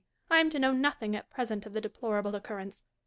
I am to know nothing at present of the deplorable occurrence.